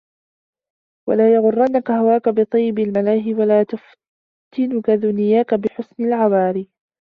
وَلَا يَغُرَّنَّكَ هَوَاك بِطَيِّبِ الْمَلَاهِي وَلَا تَفْتِنُك دُنْيَاك بِحُسْنِ الْعَوَارِيّ